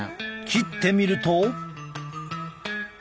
切ってみると。